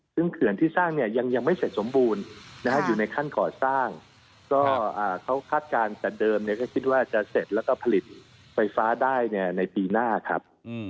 ซึ่งเขื่อนที่สร้างเนี่ยยังไม่เสร็จสมบูรณ์อยู่ในขั้นก่อสร้างก็เขาคาดการณ์แต่เดิมก็คิดว่าจะเสร็จแล้วก็ผลิตไฟฟ้าได้ในปีหน้าครับ